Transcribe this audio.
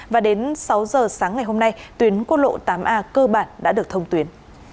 và đến sáu giờ sáng ngày hôm nay tuyến quốc lộ tám a cơ bản đã được thông tuyến